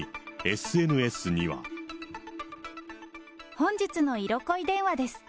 本日の色恋電話です。